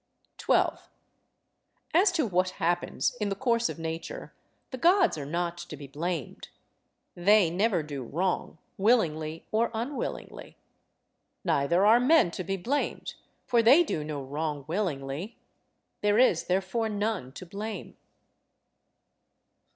12. As to what happens in the course of nature, the Gods are not to be blamed. They never do wrong, willingly or unwillingly. Neither are men to be blamed, for they do no wrong willingly. There is therefore none to blame.